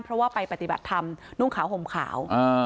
เพราะว่าไปปฏิบัติธรรมนุ่งขาวห่มขาว